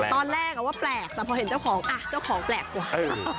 ตอนแรกอะว่าแปลกแต่พอเห็นเจ้าของอะเจ้าของแปลกกว่า